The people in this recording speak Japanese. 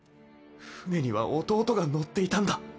船には弟が乗っていたんだ。